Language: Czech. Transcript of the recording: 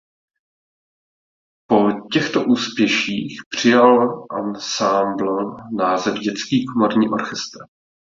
Po těchto úspěších přijal ansámbl název Dětský komorní orchestr.